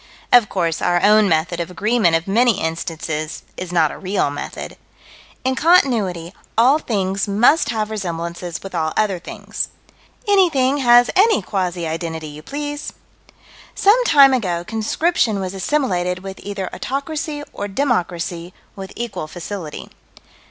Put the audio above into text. Of course our own method of agreement of many instances is not a real method. In Continuity, all things must have resemblances with all other things. Anything has any quasi identity you please. Some time ago conscription was assimilated with either autocracy or democracy with equal facility.